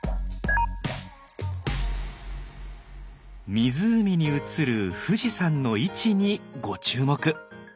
湖に映る富士山の位置にご注目！